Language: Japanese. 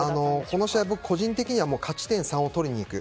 この試合、僕個人的には勝ち点３を取りに行く。